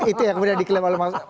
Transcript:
itu yang kemudian diklaim oleh mas